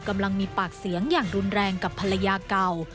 กำลังมีปากเสียงอย่างรุนแรงกับภรรยาเก่า